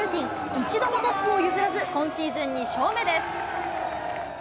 一度もトップを譲らず、今シーズン２勝目です。